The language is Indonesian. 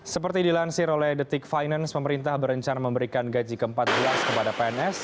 seperti dilansir oleh detik finance pemerintah berencana memberikan gaji ke empat belas kepada pns